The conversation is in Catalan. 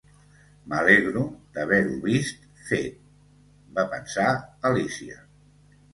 "M'alegro d'haver-ho vist fet", va pensar Alícia.